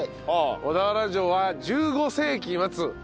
小田原城は１５世紀末